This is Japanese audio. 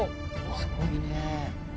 すごいねえ。